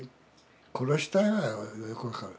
「殺したい」はよく分かる。